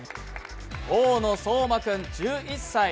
大野颯真君１１歳。